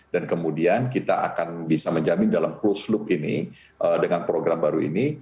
dan kemudian kita akan bisa menjamin dalam closed loop ini dengan program baru ini